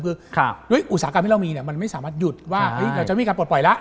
คืออุตสาหกรรมที่เรามีมันไม่สามารถหยุดว่าจะมีการปลดปล่อยแล้ว